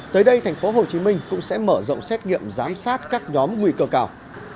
tới đây tp hcm cũng sẽ mở rộng xét nghiệm giám sát các nhóm nguy cơ cao